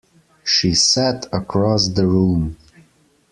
She sat across the room.